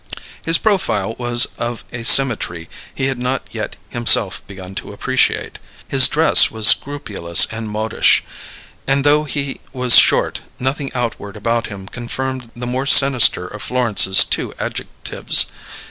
His profile was of a symmetry he had not yet himself begun to appreciate; his dress was scrupulous and modish; and though he was short, nothing outward about him confirmed the more sinister of Florence's two adjectives.